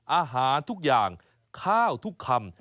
อาหารทุกอย่างข้าวทุกคำ